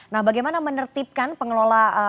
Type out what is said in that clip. nah bagaimana menertibkan pengelolaan